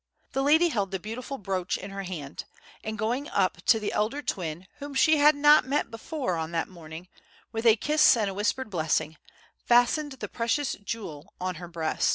The lady held the beautiful brooch in her hand, and going up to the elder twin whom she had not met before on that morning, with a kiss and a whispered blessing, fastened the precious jewel on her breast.